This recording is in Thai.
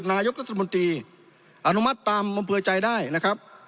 นายกรัฐมนตรีอนุมัติตามอำเภอใจได้นะครับ